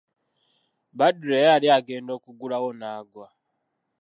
Badru era yali agenda okugulawo n'aggwa.